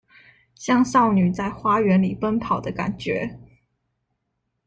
像少女在花園裡奔跑的感覺